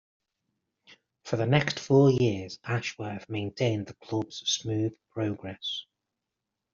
For the next four years Ashworth maintained the club's smooth progress.